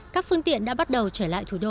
các phương tiện đã bắt đầu trở lại thủ đô